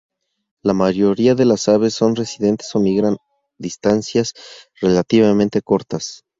La mayoría de las aves son residentes o migran distancias relativamente cortas.